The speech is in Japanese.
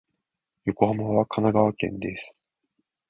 横浜は神奈川県です。